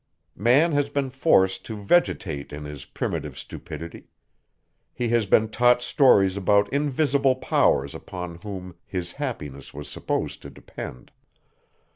Man has been forced to vegetate in his primitive stupidity: he has been taught stories about invisible powers upon whom his happiness was supposed to depend.